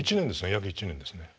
約１年ですね。